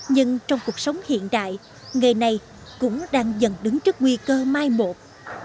nhưng trong cuộc sống hiện đại nghề này cũng đang dần đứng trước nguy cơ mai một